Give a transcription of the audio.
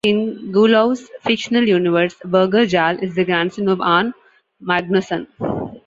In Guillou's fictional universe, Birger Jarl is the grandson of Arn Magnusson.